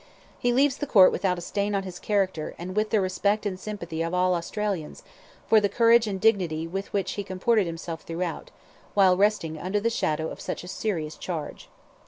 He leaves the court without a stain on his character, and with the respect and sympathy of all Australians, for the courage and dignity with which he comported himself throughout, while resting under the shadow of such a serious charge.